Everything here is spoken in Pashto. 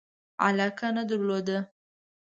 علاقه نه درلوده.